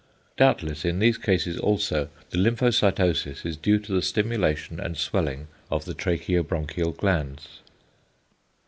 Doubtless in these cases also the lymphocytosis is due to the stimulation and swelling of the tracheobronchial glands.